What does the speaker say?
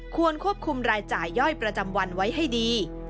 ควบคุมรายจ่ายย่อยประจำวันไว้ให้ดี